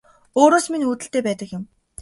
Өөрөөс минь үүдэлтэй байдаг юм